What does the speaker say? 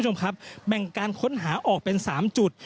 มันการค้นหาออกเป็น๓จุด